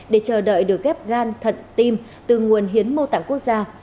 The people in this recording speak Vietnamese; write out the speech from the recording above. để chờ đợi được ghép gan thận tim từ nguồn hiến mô tạng quốc gia